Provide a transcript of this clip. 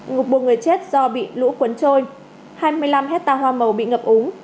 ngục buộc người chết do bị lũ cuốn trôi hai mươi năm hết ta hoa màu bị ngập úng